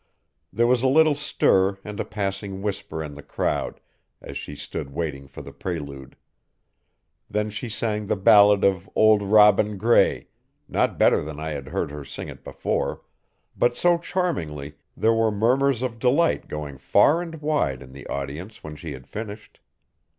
There was a little stir and a passing whisper in the crowd as she stood waiting for the prelude. Then she sang the ballad of Auld Robin Grey not better than I had heard her sing it before, but so charmingly there were murmurs of delight going far and wide in the audience when she had finished.